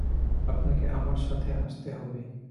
আপনাকে আমার সাথে আসতে হবে।